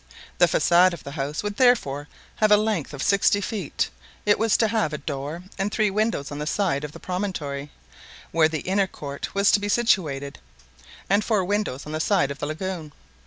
The façade of the house would therefore have a length of sixty feet it was to have a door and three windows on the side of the promontory, where the inner court was to be situated, and four windows on the side of the lagoon.